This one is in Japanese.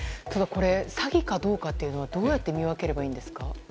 詐欺かどうかというのはどうやって見分ければいいんですか？